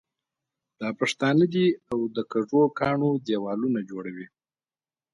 دا پښتانه دي او د کږو کاڼو دېوالونه جوړوي.